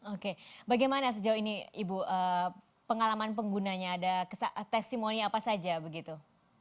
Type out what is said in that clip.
oke bagaimana sejauh ini ibu pengalaman penggunanya ada testimoni apa saja begitu